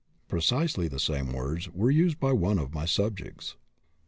[Precisely the same words were used by one of my subjects.